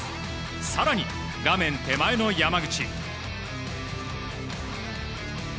更に、画面手前の山口。